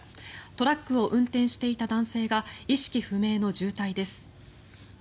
トラックを運転していた男性が意識不明の重体です。